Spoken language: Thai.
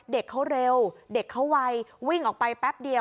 เด็กเขาเร็วเด็กเขาไววิ่งออกไปแป๊บเดียว